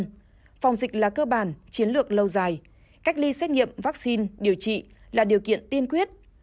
trước đó để thích ứng an toàn phòng dịch là cơ bản chiến lược lâu dài cách ly xét nghiệm vaccine điều trị là điều kiện tiên quyết